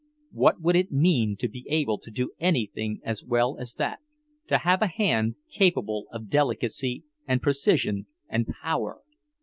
What would it mean to be able to do anything as well as that, to have a hand capable of delicacy and precision and power?